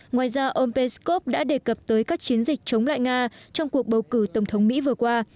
ngoài ra ông peskov đã đề cập tới các chiến dịch chống lại nga trong cuộc bầu cử tổng thống mỹ vừa qua